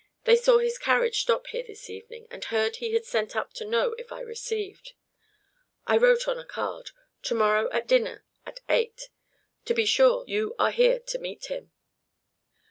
They saw his carriage stop here this evening, and heard he had sent up to know if I received. I wrote on a card, 'To morrow at dinner, at eight;' so be sure you are here to meet him."